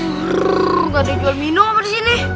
brrrr nggak ada jual minum apa di sini